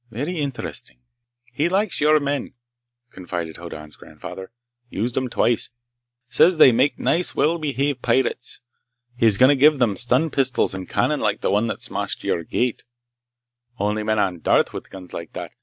"Very interesting." "He likes your men," confided Hoddan's grandfather. "Used them twice. Says they make nice, well behaved pirates. He's going to give them stun pistols and cannon like the one that smashed your gate. Only men on Darth with guns like that!